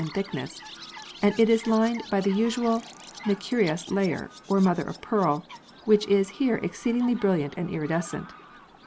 in thickness), and it is lined by the usual nacreous layer, or mother of pearl, which is here exceedingly brilliant and iridescent.